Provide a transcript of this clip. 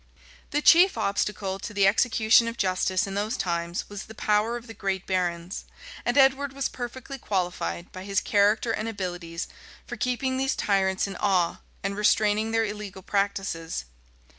The chief obstacle to the execution of justice in those times was the power of the great barons; and Edward was perfectly qualified, by his character and abilities, for keeping these tyrants in awe, and restraining their illegal practices.